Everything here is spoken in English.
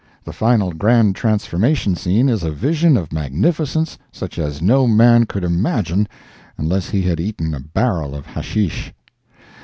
The final grand transformation scene is a vision of magnificence such as no man could imagine unless he had eaten a barrel of hasheesh.